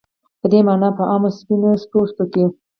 په دې معنا چې په عامو سپین پوستو کې